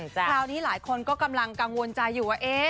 คราวนี้หลายคนก็กำลังกังวลใจอยู่ว่า